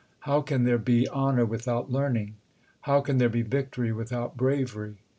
How can there be honour without learning? How can there be victory without bravery ?